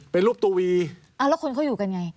เป็นรูปตัววีแล้วคนเขาอยู่กันไง